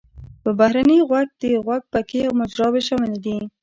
په بهرني غوږ کې د غوږ پکې او مجراوې شاملې دي.